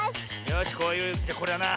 よしこういうじゃこれだな。